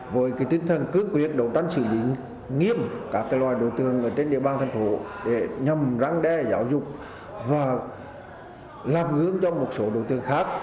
với tinh thần cư quyết đấu tranh xử lý nghiêm các loài đối tượng trên địa bàn thành phố để nhằm răng đe giáo dục và làm gương cho một số đối tượng khác